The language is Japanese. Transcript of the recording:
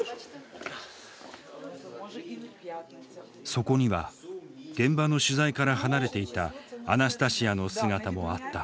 そこには現場の取材から離れていたアナスタシヤの姿もあった。